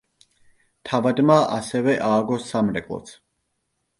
თავადმა ასევე ააგო სამრეკლოც.